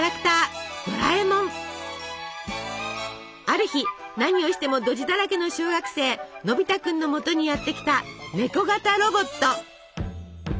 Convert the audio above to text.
ある日何をしてもドジだらけの小学生のび太君のもとにやって来たネコ型ロボット。